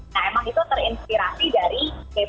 nah emang itu terinspirasi dari k pop